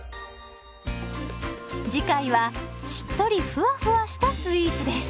次回はしっとりふわふわしたスイーツです。